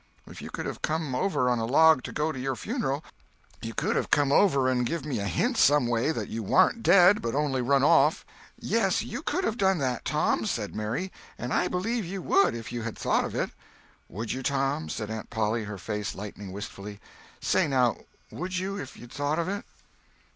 If you could come over on a log to go to your funeral, you could have come over and give me a hint some way that you warn't dead, but only run off." "Yes, you could have done that, Tom," said Mary; "and I believe you would if you had thought of it." "Would you, Tom?" said Aunt Polly, her face lighting wistfully. "Say, now, would you, if you'd thought of it?"